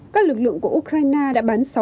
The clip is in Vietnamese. các lực lượng của ukraine đã đưa ra một lệnh ngừng bắn